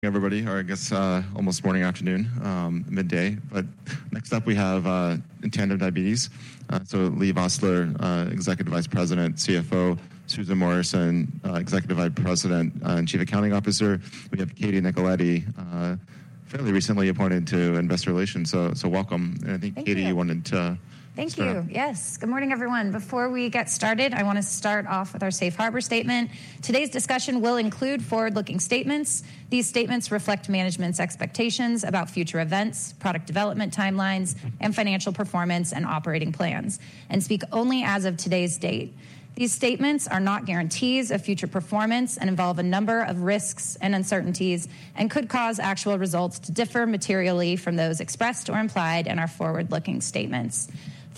Hey, everybody, or I guess, almost morning, afternoon, midday. But next up, we have Tandem Diabetes. So Leigh Vosseller, Executive Vice President, CFO, Susan Morris, Executive Vice President and Chief Administrative Officer. We have Katie Nicoletti, fairly recently appointed to investor relations. So welcome. Thank you. I think, Katie, you wanted to- Thank you. Start. Yes. Good morning, everyone. Before we get started, I want to start off with our safe harbor statement. Today's discussion will include forward-looking statements. These statements reflect management's expectations about future events, product development timelines, and financial performance and operating plans, and speak only as of today's date. These statements are not guarantees of future performance and involve a number of risks and uncertainties, and could cause actual results to differ materially from those expressed or implied in our forward-looking statements.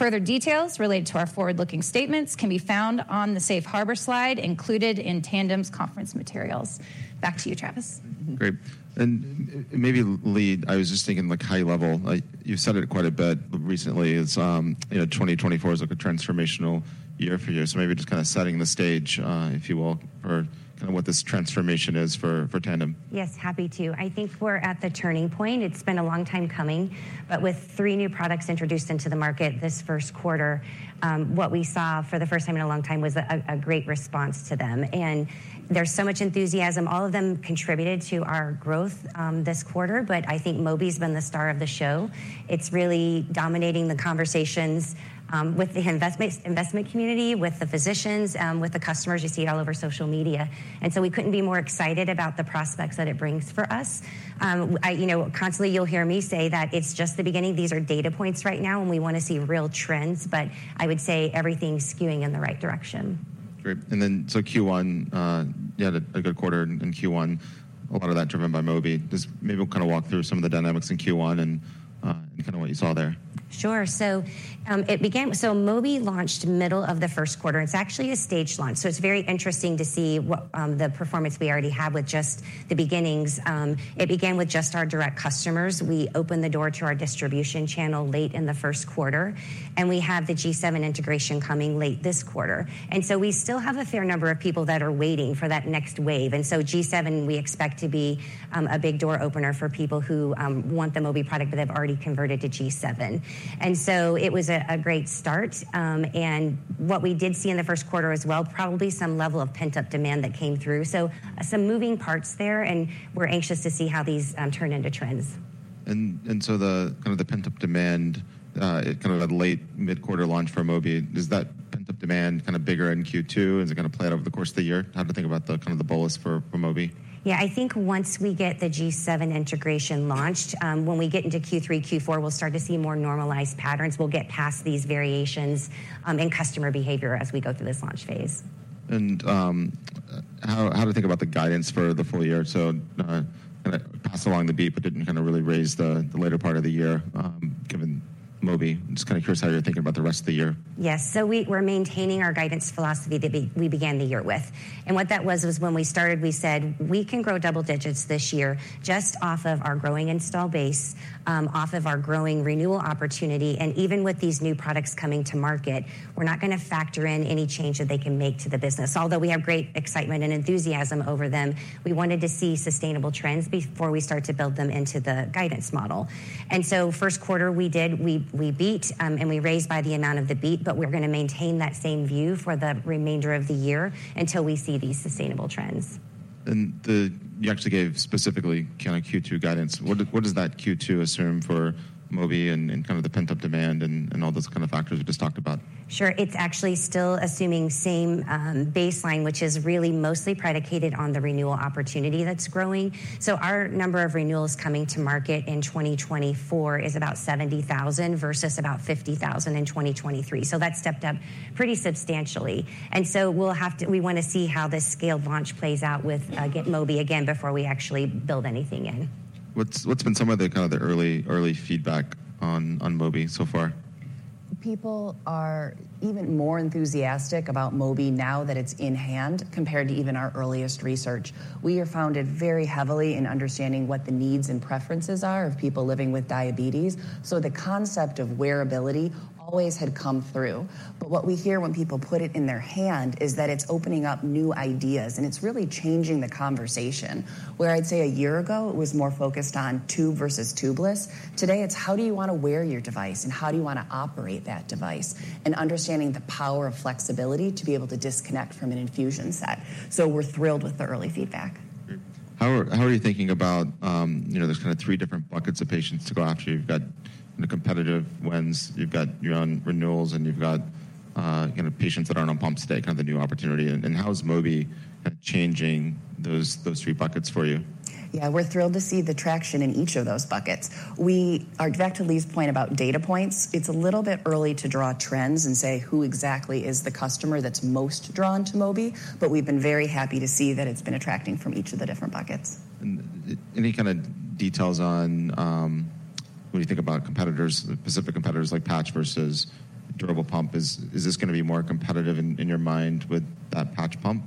Further details related to our forward-looking statements can be found on the safe harbor slide included in Tandem's conference materials. Back to you, Travis. Mm-hmm. Great. And maybe, Leigh, I was just thinking, like, high level, like, you've said it quite a bit recently, is, you know, 2024 is, like, a transformational year for you. So maybe just kind of setting the stage, if you will, for kind of what this transformation is for, for Tandem. Yes, happy to. I think we're at the turning point. It's been a long time coming, but with three new products introduced into the market this first quarter, what we saw for the first time in a long time was a great response to them. There's so much enthusiasm. All of them contributed to our growth this quarter, but I think Mobi's been the star of the show. It's really dominating the conversations with the investment community, with the physicians, with the customers. You see it all over social media, and so we couldn't be more excited about the prospects that it brings for us. You know, constantly you'll hear me say that it's just the beginning. These are data points right now, and we want to see real trends, but I would say everything's skewing in the right direction. Great. And then, so Q1, you had a good quarter in Q1, a lot of that driven by Mobi. Just maybe kind of walk through some of the dynamics in Q1 and kind of what you saw there. Sure. So, Mobi launched middle of the first quarter. It's actually a staged launch, so it's very interesting to see what, the performance we already have with just the beginnings. It began with just our direct customers. We opened the door to our distribution channel late in the first quarter, and we have the G7 integration coming late this quarter. And so we still have a fair number of people that are waiting for that next wave. And so G7, we expect to be, a big door opener for people who, want the Mobi product, but they've already converted to G7. And so it was a great start. What we did see in the first quarter as well, probably some level of pent-up demand that came through, so some moving parts there, and we're anxious to see how these turn into trends. So the kind of the pent-up demand, kind of that late mid-quarter launch for Mobi, is that pent-up demand kind of bigger in Q2? Is it gonna play out over the course of the year? How to think about the kind of the bolus for Mobi? Yeah. I think once we get the G7 integration launched, when we get into Q3, Q4, we'll start to see more normalized patterns. We'll get past these variations, in customer behavior as we go through this launch phase. How to think about the guidance for the full year? Kind of pass along the beat, but didn't kind of really raise the latter part of the year, given Mobi. Just kind of curious how you're thinking about the rest of the year. Yes. So we're maintaining our guidance philosophy that we began the year with. And what that was, when we started, we said we can grow double digits this year just off of our growing install base, off of our growing renewal opportunity. And even with these new products coming to market, we're not gonna factor in any change that they can make to the business. Although we have great excitement and enthusiasm over them, we wanted to see sustainable trends before we start to build them into the guidance model. And so first quarter we did beat, and we raised by the amount of the beat, but we're gonna maintain that same view for the remainder of the year until we see these sustainable trends. You actually gave specifically kind of Q2 guidance. What does that Q2 assume for Mobi and kind of the pent-up demand and all those kind of factors we just talked about? Sure. It's actually still assuming same baseline, which is really mostly predicated on the renewal opportunity that's growing. So our number of renewals coming to market in 2024 is about 70,000 versus about 50,000 in 2023. So that stepped up pretty substantially. And so we'll have to. We want to see how this scaled launch plays out with that Mobi again before we actually build anything in. What's been some of the kind of early feedback on Mobi so far? People are even more enthusiastic about Mobi now that it's in hand, compared to even our earliest research. We are focused very heavily in understanding what the needs and preferences are of people living with diabetes, so the concept of wearability always had come through. But what we hear when people put it in their hand is that it's opening up new ideas, and it's really changing the conversation. Where I'd say a year ago, it was more focused on tube versus tubeless; today it's how do you want to wear your device, and how do you want to operate that device? And understanding the power of flexibility to be able to disconnect from an infusion set. So we're thrilled with the early feedback. Great. How are you thinking about, you know, there's kind of three different buckets of patients to go after. You've got the competitive wins, you've got your own renewals, and you've got, you know, patients that aren't on pump today, kind of the new opportunity. And how is Mobi changing those three buckets for you? Yeah, we're thrilled to see the traction in each of those buckets. Back to Leigh's point about data points, it's a little bit early to draw trends and say who exactly is the customer that's most drawn to Mobi, but we've been very happy to see that it's been attracting from each of the different buckets. Any kind of details on, when you think about competitors, specific competitors, like patch versus durable pump, is this gonna be more competitive in your mind with that patch pump?...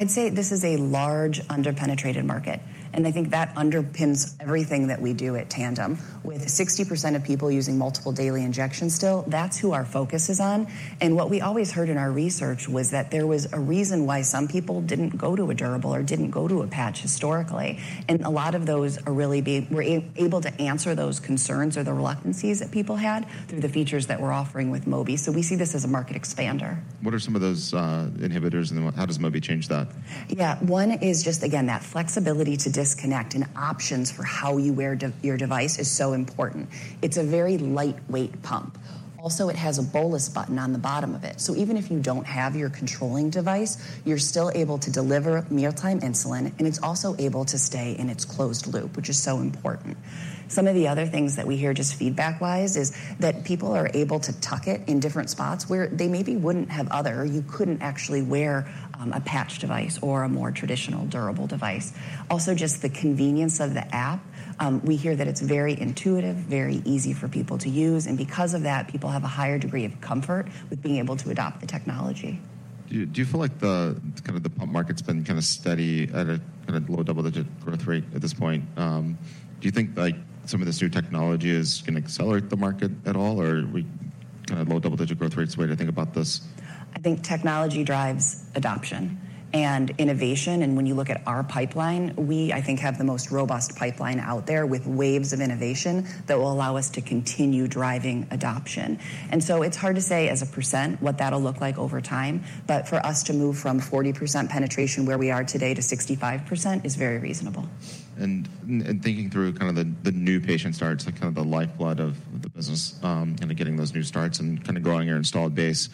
I'd say this is a large under-penetrated market, and I think that underpins everything that we do at Tandem. With 60% of people using multiple daily injections still, that's who our focus is on. What we always heard in our research was that there was a reason why some people didn't go to a durable or didn't go to a patch historically, and a lot of those are really being, we're able to answer those concerns or the reluctances that people had through the features that we're offering with Mobi. We see this as a market expander. What are some of those inhibitors, and then what, how does Mobi change that? Yeah. One is just, again, that flexibility to disconnect, and options for how you wear your device is so important. It's a very lightweight pump. Also, it has a bolus button on the bottom of it. So even if you don't have your controlling device, you're still able to deliver mealtime insulin, and it's also able to stay in its closed loop, which is so important. Some of the other things that we hear, just feedback-wise, is that people are able to tuck it in different spots where they maybe wouldn't have other, or you couldn't actually wear a patch device or a more traditional durable device. Also, just the convenience of the app. We hear that it's very intuitive, very easy for people to use, and because of that, people have a higher degree of comfort with being able to adopt the technology. Do you feel like the pump market's been kind of steady at a kind of low double-digit growth rate at this point? Do you think, like, some of this new technology is gonna accelerate the market at all, or are we kind of low double-digit growth rate's the way to think about this? I think technology drives adoption and innovation, and when you look at our pipeline, we, I think, have the most robust pipeline out there, with waves of innovation that will allow us to continue driving adoption. And so it's hard to say as a percent what that'll look like over time, but for us to move from 40% penetration, where we are today, to 65% is very reasonable. Thinking through kind of the new patient starts, like, kind of the lifeblood of the business, kind of getting those new starts and kind of growing your installed base.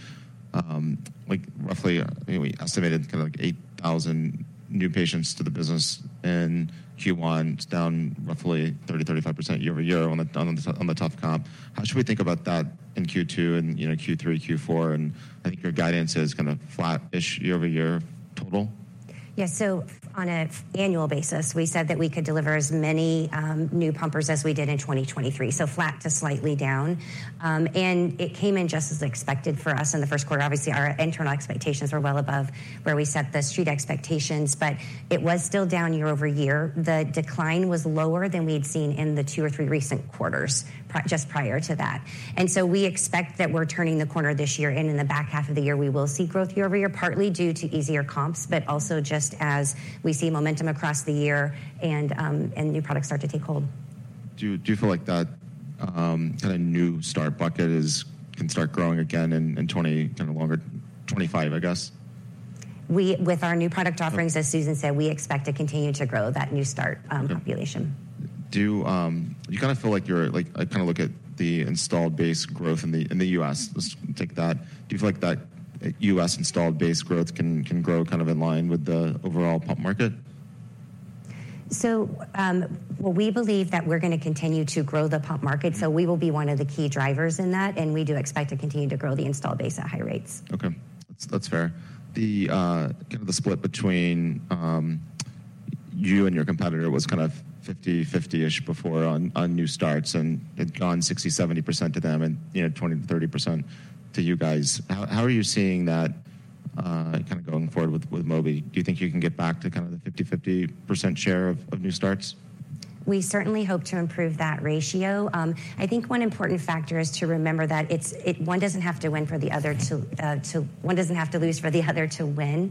Like, roughly, I think we estimated kind of like 8,000 new patients to the business in Q1, down roughly 30%-35% year-over-year on the tough comp. How should we think about that in Q2 and, you know, Q3, Q4? And I think your guidance is kind of flat-ish year-over-year total. Yeah. So on an annual basis, we said that we could deliver as many new pumpers as we did in 2023, so flat to slightly down. And it came in just as expected for us in the first quarter. Obviously, our internal expectations were well above where we set the street expectations, but it was still down year-over-year. The decline was lower than we had seen in the two or three recent quarters just prior to that. And so we expect that we're turning the corner this year, and in the back half of the year, we will see growth year-over-year, partly due to easier comps, but also just as we see momentum across the year and, and new products start to take hold. Do you feel like that kind of new start bucket can start growing again in 2025, I guess? With our new product offerings, as Susan said, we expect to continue to grow that new start population. Do you kind of feel like you're, like, I kind of look at the installed base growth in the U.S. Let's take that. Do you feel like that U.S. installed base growth can grow kind of in line with the overall pump market? Well, we believe that we're gonna continue to grow the pump market, so we will be one of the key drivers in that, and we do expect to continue to grow the installed base at high rates. Okay, that's fair. The kind of split between you and your competitor was kind of 50/50-ish before on new starts, and it'd gone 60%-70% to them and, you know, 20%-30% to you guys. How are you seeing that kind of going forward with Mobi? Do you think you can get back to kind of the 50/50% share of new starts? We certainly hope to improve that ratio. I think one important factor is to remember that one doesn't have to lose for the other to win.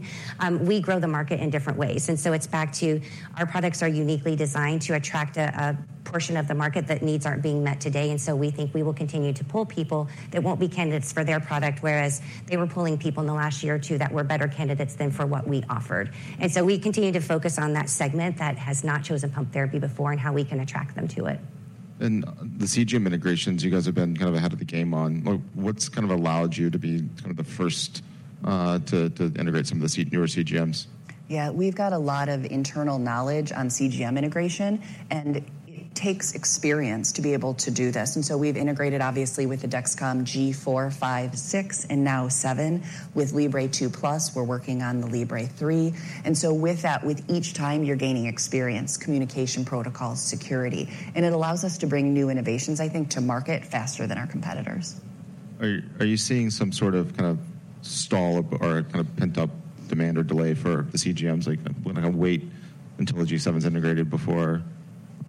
We grow the market in different ways, and so it's back to our products are uniquely designed to attract a portion of the market that needs aren't being met today. And so we think we will continue to pull people that won't be candidates for their product, whereas they were pulling people in the last year or two that were better candidates than for what we offered. And so we continue to focus on that segment that has not chosen pump therapy before and how we can attract them to it. The CGM integrations, you guys have been kind of ahead of the game on. What's kind of allowed you to be kind of the first to integrate some of the newer CGMs? Yeah, we've got a lot of internal knowledge on CGM integration, and it takes experience to be able to do this. And so we've integrated, obviously, with the Dexcom G4, G5, G6, and now G7. With Libre 2 Plus, we're working on the Libre 3. And so with that, with each time, you're gaining experience, communication protocols, security, and it allows us to bring new innovations, I think, to market faster than our competitors. Are you seeing some sort of kind of stall or kind of pent-up demand or delay for the CGMs? Like, when I wait until the G7 is integrated before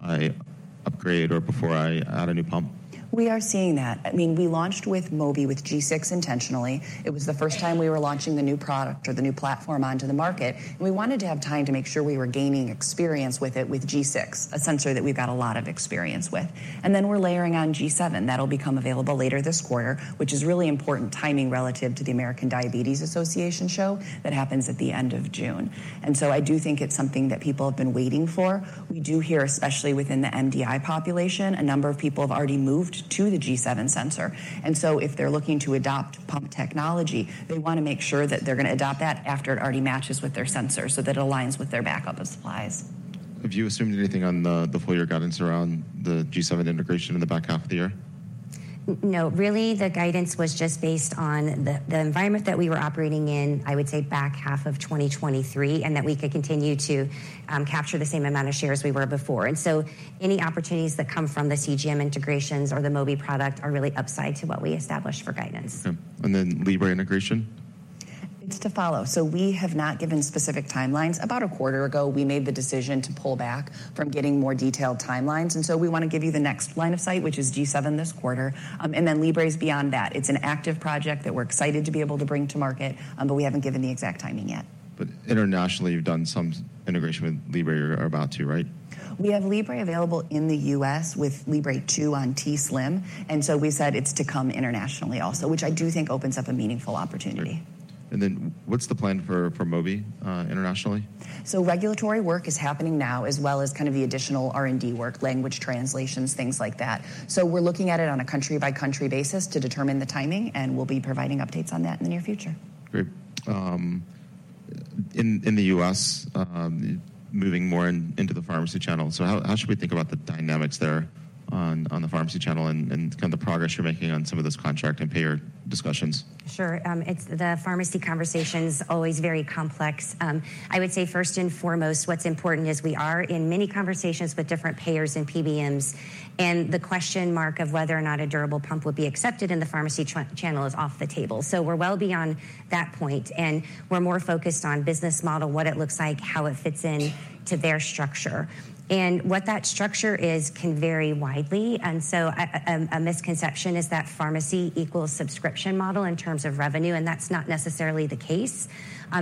I upgrade or before I add a new pump. We are seeing that. I mean, we launched with Mobi, with G6 intentionally. It was the first time we were launching the new product or the new platform onto the market. We wanted to have time to make sure we were gaining experience with it, with G6, a sensor that we've got a lot of experience with. And then we're layering on G7. That'll become available later this quarter, which is really important timing relative to the American Diabetes Association show that happens at the end of June. And so I do think it's something that people have been waiting for. We do hear, especially within the MDI population, a number of people have already moved to the G7 sensor, and so if they're looking to adopt pump technology, they want to make sure that they're going to adopt that after it already matches with their sensor, so that it aligns with their backup of supplies. Have you assumed anything on the full year guidance around the G7 integration in the back half of the year? No. Really, the guidance was just based on the environment that we were operating in, I would say, back half of 2023, and that we could continue to capture the same amount of shares we were before. And so any opportunities that come from the CGM integrations or the Mobi product are really upside to what we established for guidance. Okay. And then Libre integration?... It's to follow. So we have not given specific timelines. About a quarter ago, we made the decision to pull back from getting more detailed timelines, and so we wanna give you the next line of sight, which is G7 this quarter, and then Libre is beyond that. It's an active project that we're excited to be able to bring to market, but we haven't given the exact timing yet. But internationally, you've done some integration with Libre or about to, right? We have Libre available in the U.S. with Libre 2 on t:slim, and so we said it's to come internationally also, which I do think opens up a meaningful opportunity. Then what's the plan for Mobi internationally? Regulatory work is happening now, as well as kind of the additional R&D work, language translations, things like that. We're looking at it on a country-by-country basis to determine the timing, and we'll be providing updates on that in the near future. Great. In the U.S., moving more into the pharmacy channel. So how should we think about the dynamics there on the pharmacy channel and kind of the progress you're making on some of those contract and payer discussions? Sure. It's the pharmacy conversation's always very complex. I would say first and foremost, what's important is we are in many conversations with different payers and PBMs, and the question mark of whether or not a durable pump would be accepted in the pharmacy channel is off the table. So we're well beyond that point, and we're more focused on business model, what it looks like, how it fits in to their structure. And what that structure is can vary widely, and so a misconception is that pharmacy equals subscription model in terms of revenue, and that's not necessarily the case.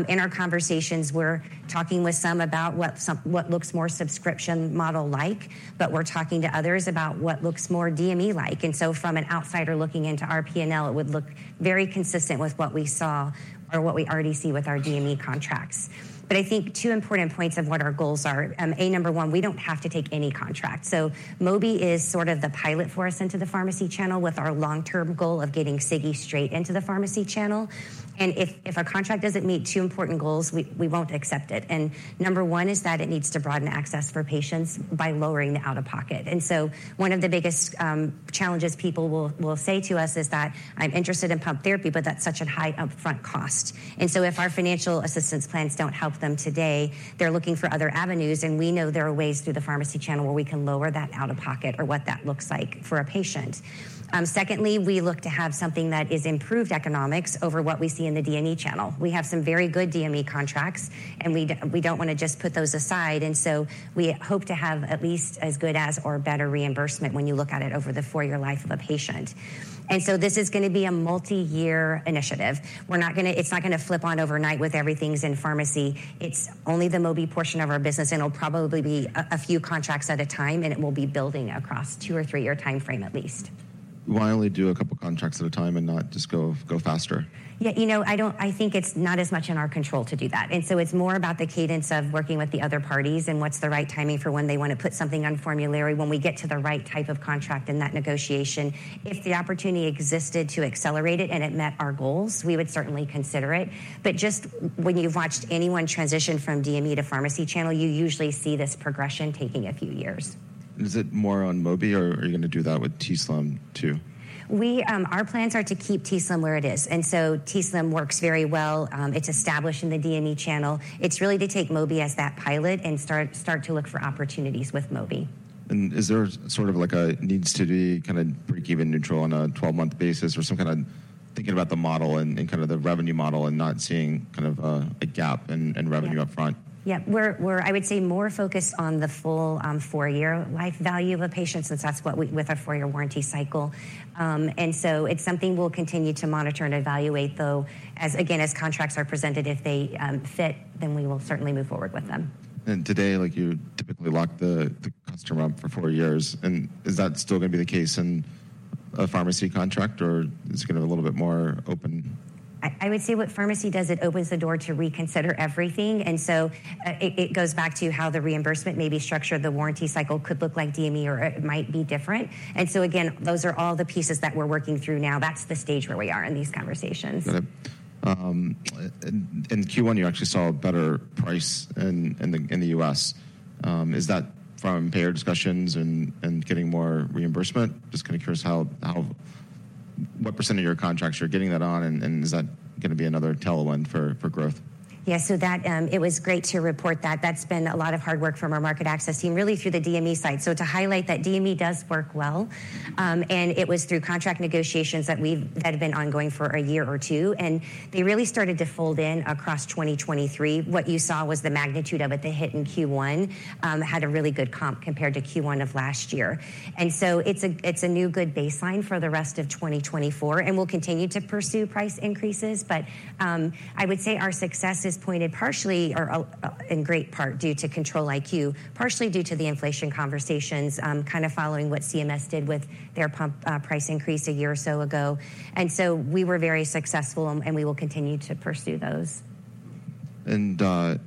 In our conversations, we're talking with some about what looks more subscription model like, but we're talking to others about what looks more DME like. So from an outsider looking into our P&L, it would look very consistent with what we saw or what we already see with our DME contracts. But I think two important points of what our goals are. A, number one, we don't have to take any contract. So Mobi is sort of the pilot for us into the pharmacy channel, with our long-term goal of getting Sigi straight into the pharmacy channel. And if a contract doesn't meet two important goals, we won't accept it. And number one is that it needs to broaden access for patients by lowering the out-of-pocket. And so one of the biggest challenges people will say to us is that, "I'm interested in pump therapy, but that's such a high upfront cost." And so if our financial assistance plans don't help them today, they're looking for other avenues, and we know there are ways through the pharmacy channel where we can lower that out-of-pocket or what that looks like for a patient. Secondly, we look to have something that is improved economics over what we see in the DME channel. We have some very good DME contracts, and we don't wanna just put those aside, and so we hope to have at least as good as or better reimbursement when you look at it over the four-year life of a patient. And so this is gonna be a multiyear initiative. We're not gonna. It's not gonna flip on overnight with everything's in pharmacy. It's only the Mobi portion of our business, and it'll probably be a few contracts at a time, and it will be building across two- or three-year timeframe, at least. Why only do a couple contracts at a time and not just go, go faster? Yeah, you know, I don't think it's as much in our control to do that. And so it's more about the cadence of working with the other parties and what's the right timing for when they wanna put something on formulary, when we get to the right type of contract in that negotiation. If the opportunity existed to accelerate it and it met our goals, we would certainly consider it. But just when you've watched anyone transition from DME to pharmacy channel, you usually see this progression taking a few years. Is it more on Mobi, or are you gonna do that with t:slim, too? Our plans are to keep t:slim where it is, and so t:slim works very well. It's established in the DME channel. It's really to take Mobi as that pilot and start to look for opportunities with Mobi. Is there sort of like a needs to be kind of break even neutral on a 12-month basis or some kind of thinking about the model and kind of the revenue model and not seeing kind of a gap in revenue upfront? Yeah. We're more focused on the full four-year life value of a patient since that's what we with our four-year warranty cycle. So it's something we'll continue to monitor and evaluate, though, as again, as contracts are presented, if they fit, then we will certainly move forward with them. Today, like you typically lock the customer up for four years, and is that still gonna be the case in a pharmacy contract, or is it gonna be a little bit more open? I would say what pharmacy does, it opens the door to reconsider everything, and so, it goes back to how the reimbursement may be structured. The warranty cycle could look like DME or it might be different. And so again, those are all the pieces that we're working through now. That's the stage where we are in these conversations. In Q1, you actually saw a better price in the U.S. Is that from payer discussions and getting more reimbursement? Just kind of curious how... What percent of your contracts you're getting that on, and is that gonna be another tailwind for growth? Yeah, so that, it was great to report that. That's been a lot of hard work from our market access team, really through the DME side. So to highlight that DME does work well, and it was through contract negotiations that have been ongoing for a year or two, and they really started to fold in across 2023. What you saw was the magnitude of it, the hit in Q1, had a really good comp compared to Q1 of last year. And so it's a, it's a new good baseline for the rest of 2024, and we'll continue to pursue price increases. But, I would say our success is pointed partially or, in great part due to Control-IQ, partially due to the inflation conversations, kind of following what CMS did with their pump, price increase a year or so ago. And so we were very successful, and we will continue to pursue those. The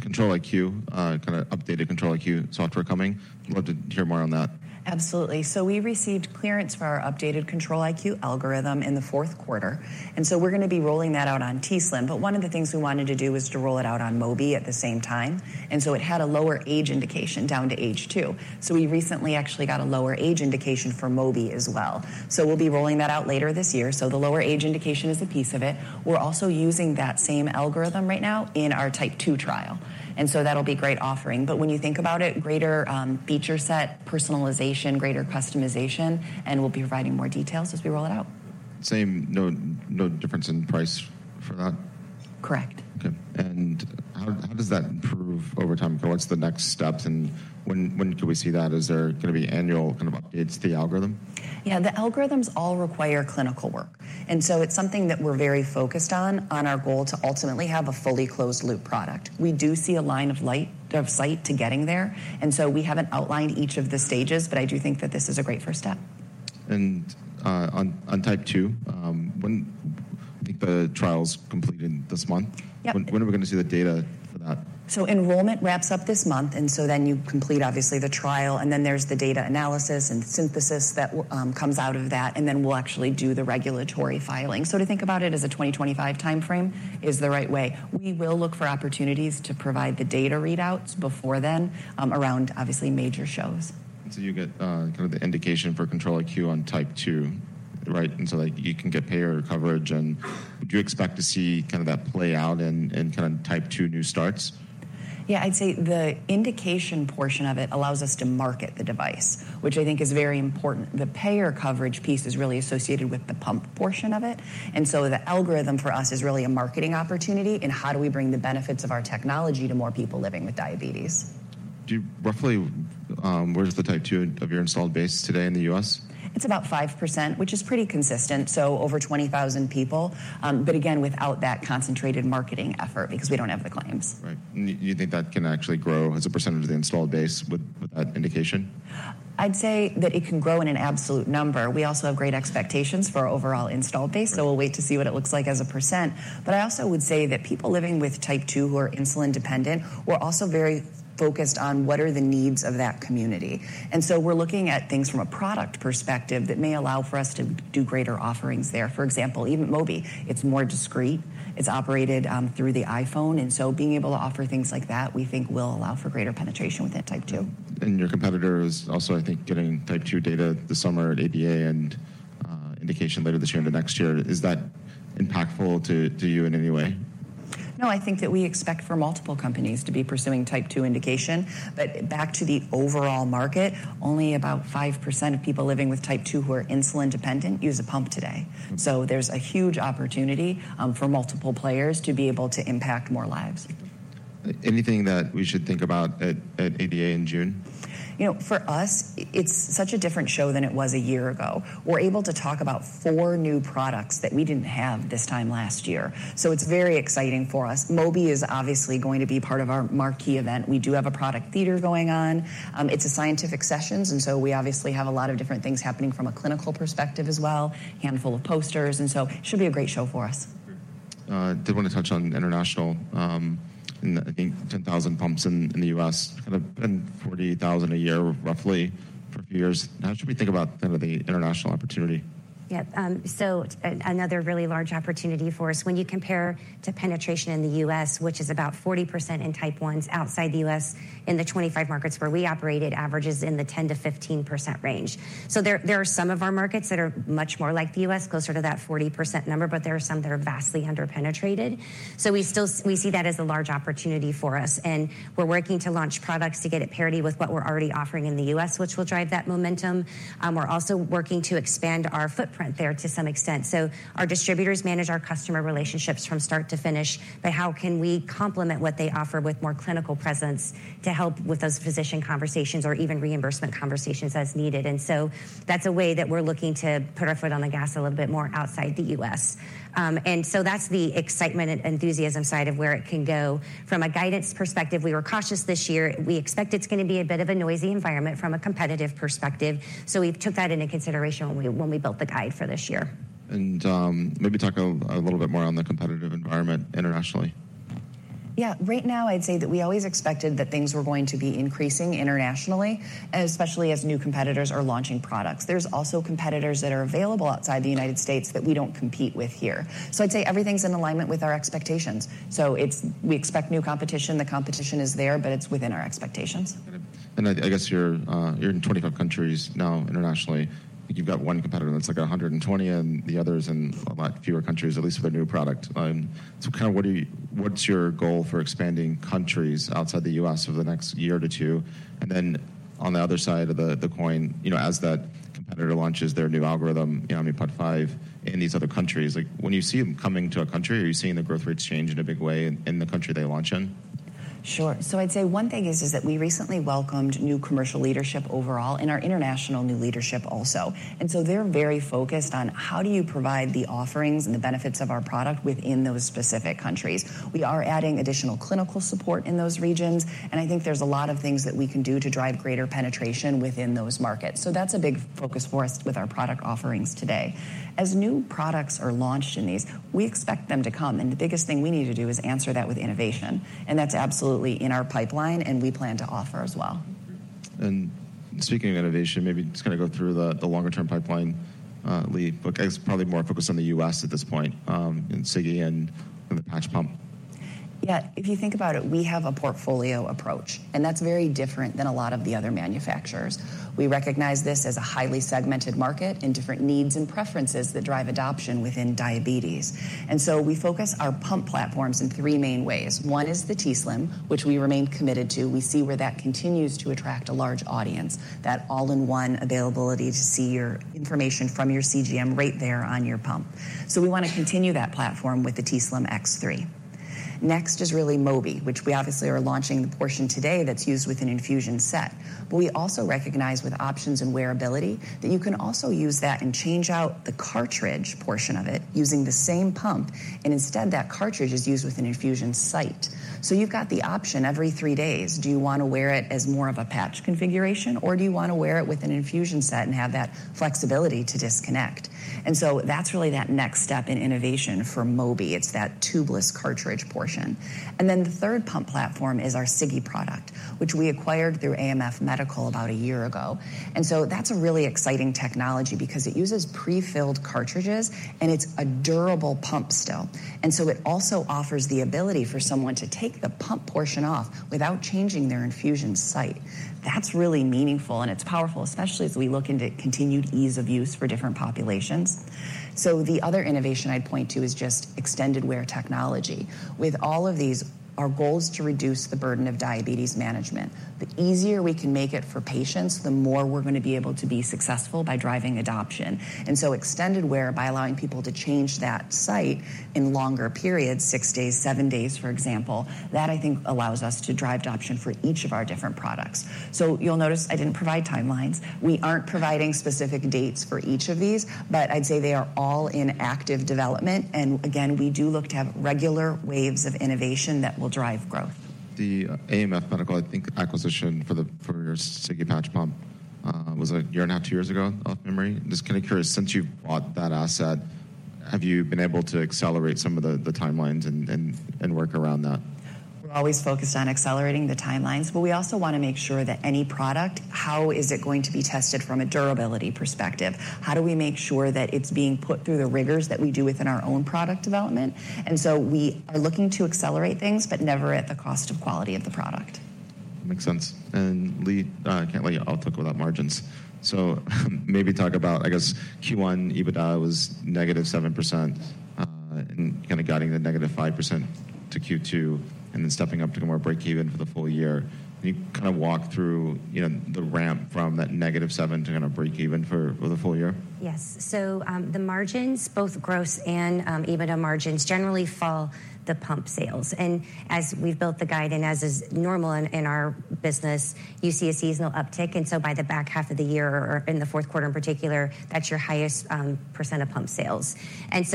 Control-IQ, kind of updated Control-IQ software coming? I'd love to hear more on that. Absolutely. So we received clearance for our updated Control-IQ algorithm in the fourth quarter, and so we're gonna be rolling that out on t:slim. But one of the things we wanted to do was to roll it out on Mobi at the same time, and so it had a lower age indication, down to age two. So we recently actually got a lower age indication for Mobi as well. So we'll be rolling that out later this year, so the lower age indication is a piece of it. We're also using that same algorithm right now in our Type 2 trial, and so that'll be a great offering. But when you think about it, greater feature set, personalization, greater customization, and we'll be providing more details as we roll it out. Same, no, no difference in price for that?... Correct. Okay, and how does that improve over time? What's the next steps, and when do we see that? Is there gonna be annual kind of updates to the algorithm? Yeah, the algorithms all require clinical work, and so it's something that we're very focused on, on our goal to ultimately have a fully closed loop product. We do see a line of sight to getting there, and so we haven't outlined each of the stages, but I do think that this is a great first step. On Type 2, when I think the trial's completed this month? Yep. When are we gonna see the data for that? So enrollment wraps up this month, and so then you complete, obviously, the trial, and then there's the data analysis and synthesis that will, comes out of that, and then we'll actually do the regulatory filing. To think about it as a 2025 timeframe is the right way. We will look for opportunities to provide the data readouts before then, around obviously major shows. So you get kind of the indication for Control-IQ on Type 2, right? And so, like, you can get payer coverage and would you expect to see kind of that play out in kind of Type 2 new starts? Yeah, I'd say the indication portion of it allows us to market the device, which I think is very important. The payer coverage piece is really associated with the pump portion of it, and so the algorithm for us is really a marketing opportunity in how do we bring the benefits of our technology to more people living with diabetes. Do you roughly, where's the Type 2 of your installed base today in the U.S.? It's about 5%, which is pretty consistent, so over 20,000 people. But again, without that concentrated marketing effort, because we don't have the claims. Right. Do you think that can actually grow as a percentage of the installed base with that indication? I'd say that it can grow in an absolute number. We also have great expectations for our overall installed base- Right. So we'll wait to see what it looks like as a percent. But I also would say that people living with Type 2 who are insulin dependent, we're also very focused on what are the needs of that community. And so we're looking at things from a product perspective that may allow for us to do greater offerings there. For example, even Mobi, it's more discreet. It's operated through the iPhone, and so being able to offer things like that, we think will allow for greater penetration with that Type 2. Your competitor is also, I think, getting Type 2 data this summer at ADA and indication later this year into next year. Is that impactful to you in any way? No, I think that we expect for multiple companies to be pursuing Type 2 indication, but back to the overall market, only about 5% of people living with Type 2 who are insulin dependent use a pump today. Mm-hmm. So there's a huge opportunity for multiple players to be able to impact more lives. Anything that we should think about at ADA in June? You know, for us, it's such a different show than it was a year ago. We're able to talk about four new products that we didn't have this time last year, so it's very exciting for us. Mobi is obviously going to be part of our marquee event. We do have a product theater going on. It's a Scientific Sessions, and so we obviously have a lot of different things happening from a clinical perspective as well, handful of posters, and so it should be a great show for us. Did want to touch on international. And I think 10,000 pumps in the U.S., kind of, and 40,000 a year, roughly for years. How should we think about kind of the international opportunity? Yep. So another really large opportunity for us. When you compare to penetration in the U.S., which is about 40% in Type 1s outside the U.S., in the 25 markets where we operated, averages in the 10%-15% range. So there, there are some of our markets that are much more like the U.S., closer to that 40% number, but there are some that are vastly underpenetrated. So we still, we see that as a large opportunity for us, and we're working to launch products to get at parity with what we're already offering in the U.S., which will drive that momentum. We're also working to expand our footprint there to some extent. So our distributors manage our customer relationships from start to finish, but how can we complement what they offer with more clinical presence to help with those physician conversations or even reimbursement conversations as needed? That's a way that we're looking to put our foot on the gas a little bit more outside the U.S. And so that's the excitement and enthusiasm side of where it can go. From a guidance perspective, we were cautious this year. We expect it's gonna be a bit of a noisy environment from a competitive perspective, so we took that into consideration when we built the guide for this year. Maybe talk a little bit more on the competitive environment internationally. Yeah. Right now, I'd say that we always expected that things were going to be increasing internationally, and especially as new competitors are launching products. There's also competitors that are available outside the United States that we don't compete with here. So I'd say everything's in alignment with our expectations. So it's... We expect new competition. The competition is there, but it's within our expectations. I guess you're in 24 countries now, internationally. I think you've got one competitor that's like 120, and the others in a lot fewer countries, at least with a new product. So what do you—what's your goal for expanding countries outside the U.S. over the next year to 2? And then on the other side of the coin, you know, as that competitor launches their new algorithm, you know, Pod 5 in these other countries, like, when you see them coming to a country, are you seeing the growth rates change in a big way in the country they launch in? Sure. So I'd say one thing is that we recently welcomed new commercial leadership overall, and our international new leadership also. And so they're very focused on how do you provide the offerings and the benefits of our product within those specific countries. We are adding additional clinical support in those regions, and I think there's a lot of things that we can do to drive greater penetration within those markets. So that's a big focus for us with our product offerings today. As new products are launched in these, we expect them to come, and the biggest thing we need to do is answer that with innovation, and that's absolutely in our pipeline, and we plan to offer as well. Speaking of innovation, maybe just kind of go through the longer-term pipeline, but it's probably more focused on the U.S. at this point, in Sigi and the patch pump. Yeah. If you think about it, we have a portfolio approach, and that's very different than a lot of the other manufacturers. We recognize this as a highly segmented market in different needs and preferences that drive adoption within diabetes. And so we focus our pump platforms in three main ways. One is the t:slim, which we remain committed to. We see where that continues to attract a large audience, that all-in-one availability to see your information from your CGM right there on your pump. So we want to continue that platform with the t:slim X3. Next is really Mobi, which we obviously are launching the portion today that's used with an infusion set. But we also recognize with options and wearability, that you can also use that and change out the cartridge portion of it using the same pump, and instead, that cartridge is used with an infusion site. So you've got the option every three days. Do you wanna wear it as more of a patch configuration, or do you wanna wear it with an infusion set and have that flexibility to disconnect? And so that's really that next step in innovation for Mobi. It's that tubeless cartridge portion. And then the third pump platform is our Sigi product, which we acquired through AMF Medical about a year ago. And so that's a really exciting technology because it uses pre-filled cartridges, and it's a durable pump still. And so it also offers the ability for someone to take the pump portion off without changing their infusion site. That's really meaningful, and it's powerful, especially as we look into continued ease of use for different populations. So the other innovation I'd point to is just extended wear technology. With all of these, our goal is to reduce the burden of diabetes management. The easier we can make it for patients, the more we're gonna be able to be successful by driving adoption. And so extended wear, by allowing people to change that site in longer periods, six days, seven days, for example, that I think allows us to drive adoption for each of our different products. So you'll notice I didn't provide timelines. We aren't providing specific dates for each of these, but I'd say they are all in active development. And again, we do look to have regular waves of innovation that will drive growth. The AMF Medical, I think, acquisition for your Sigi patch pump was a year and a half, two years ago, off memory. Just kind of curious, since you've bought that asset, have you been able to accelerate some of the timelines and work around that? We're always focused on accelerating the timelines, but we also wanna make sure that any product, how is it going to be tested from a durability perspective? How do we make sure that it's being put through the rigors that we do within our own product development? And so we are looking to accelerate things, but never at the cost of quality of the product. Makes sense. And Leigh, I can't let you off the hook without margins. So maybe talk about, I guess, Q1, EBITDA was negative 7%, and kind of guiding the negative 5% to Q2, and then stepping up to more break even for the full year. Can you kind of walk through, you know, the ramp from that negative 7 to kind of break even for, for the full year? Yes. So, the margins, both gross and, EBITDA margins, generally follow the pump sales. As we've built the guide and as is normal in our business, you see a seasonal uptick, and so by the back half of the year or in the fourth quarter, in particular, that's your highest percent of pump sales.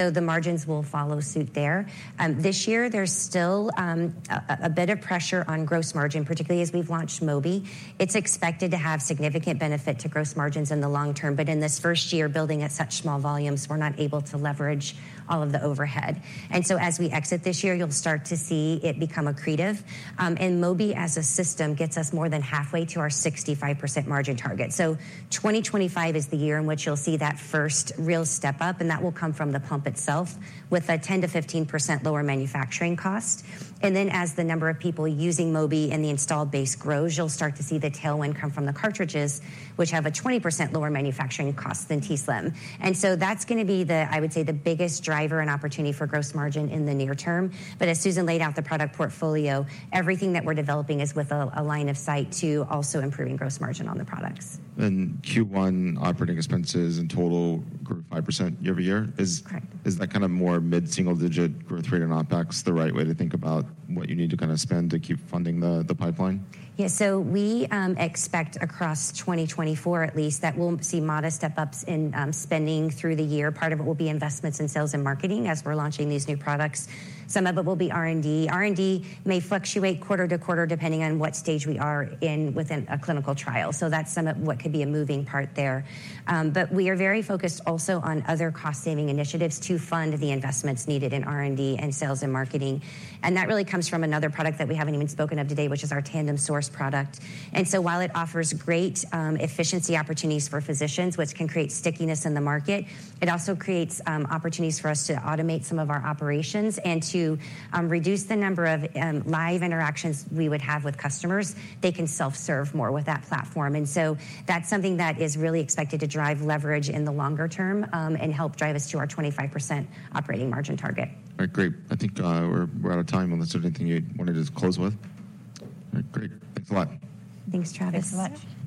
The margins will follow suit there. This year, there's still a bit of pressure on gross margin, particularly as we've launched Mobi. It's expected to have significant benefit to gross margins in the long term, but in this first year, building at such small volumes, we're not able to leverage all of the overhead. As we exit this year, you'll start to see it become accretive. Mobi, as a system, gets us more than halfway to our 65% margin target. So 2025 is the year in which you'll see that first real step up, and that will come from the pump itself, with a 10%-15% lower manufacturing cost. And then, as the number of people using Mobi and the installed base grows, you'll start to see the tailwind come from the cartridges, which have a 20% lower manufacturing cost than t:slim. And so that's gonna be the, I would say, the biggest driver and opportunity for gross margin in the near term. But as Susan laid out, the product portfolio, everything that we're developing is with a, a line of sight to also improving gross margin on the products. Q1 operating expenses in total grew 5% year-over-year. Correct. Is that kind of more mid-single-digit growth rate on OpEx the right way to think about what you need to kind of spend to keep funding the pipeline? Yeah, so we expect across 2024 at least, that we'll see modest step-ups in spending through the year. Part of it will be investments in sales and marketing as we're launching these new products. Some of it will be R&D. R&D may fluctuate quarter to quarter, depending on what stage we are in within a clinical trial. So that's some of what could be a moving part there. But we are very focused also on other cost-saving initiatives to fund the investments needed in R&D and sales and marketing. And that really comes from another product that we haven't even spoken of today, which is our Tandem Source product. While it offers great efficiency opportunities for physicians, which can create stickiness in the market, it also creates opportunities for us to automate some of our operations and to reduce the number of live interactions we would have with customers. They can self-serve more with that platform. That's something that is really expected to drive leverage in the longer term and help drive us to our 25% operating margin target. All right, great. I think we're out of time, unless there's anything you wanted to close with? All right, great. Thanks a lot. Thanks, Travis. Thanks so much.